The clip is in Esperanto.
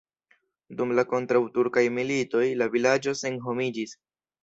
Dum la kontraŭturkaj militoj la vilaĝo senhomiĝis.